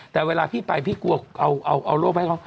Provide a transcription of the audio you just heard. แต่เวลาพี่ไปพี่กลัวเอาโรคไป